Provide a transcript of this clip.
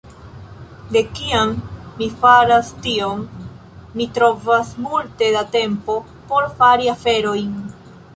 De kiam mi faras tion, mi trovas multe da tempo por fari aferojn.